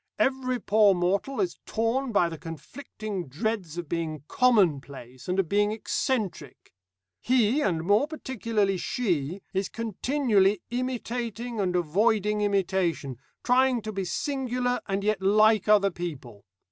Every poor mortal is torn by the conflicting dreads of being 'common place,' and of being 'eccentric.' He, and more particularly she, is continually imitating and avoiding imitation, trying to be singular and yet like other people.